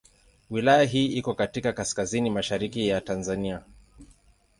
Wilaya hii iko katika kaskazini mashariki ya Tanzania.